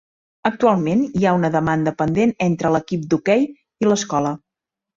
Actualment hi ha una demanda pendent entre l'equip d'hoquei i l'escola.